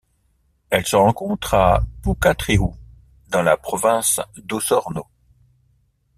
Elle se rencontre à Pucatrihue dans la province d'Osorno.